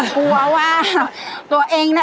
กลัวว่าตัวเองน่ะ